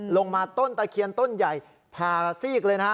มาต้นตะเคียนต้นใหญ่ผ่าซีกเลยนะฮะ